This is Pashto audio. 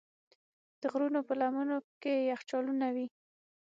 د غرونو په لمنو کې یخچالونه وي.